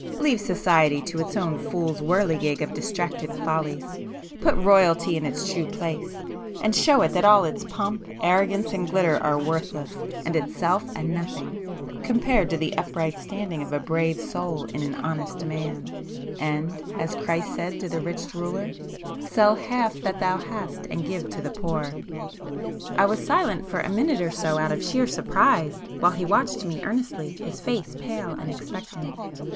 Leave society to its own fool's whirligig of distracted follies,—put Royalty in its true place, and show it that all its pomp, arrogance and glitter are worthless, and itself a nothing, compared to the upright standing of a brave soul in an honest man,—and, as Christ said to the rich ruler—'Sell half that thou hast and give to the poor.'" I was silent for a minute or so out of sheer surprise, while he watched me earnestly, his face pale and expectant.